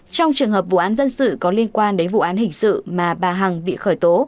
trong trường hợp vụ án dân sự có liên quan đến vụ án hình sự mà bà hằng bị khởi tố